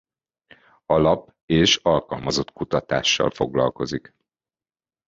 Alap- és alkalmazott kutatással foglalkozik.